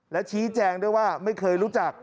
และชี้แจงด้วยว่าไม่เคยรู้จัก